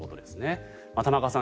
玉川さん